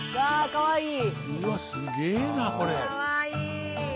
かわいい。